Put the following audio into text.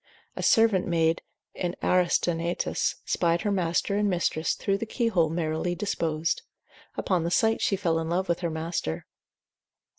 A servant maid in Aristaenetus spied her master and mistress through the key hole merrily disposed; upon the sight she fell in love with her master.